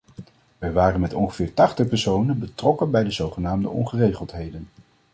Wij waren met ongeveer tachtig personen betrokken bij deze zogenaamde ongeregeldheden.